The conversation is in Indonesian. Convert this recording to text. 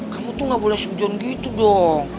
kamu tuh gak boleh seujud gitu dong